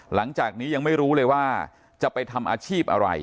หลังจากนี้ยังไม่รู้เลยว่าจะไปทำอาชีพอะไร